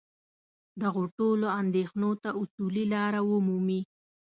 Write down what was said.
دغو ټولو اندېښنو ته اصولي لاره ومومي.